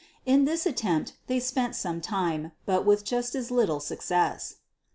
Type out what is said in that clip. In this attempt they spent some time, but with just as little success.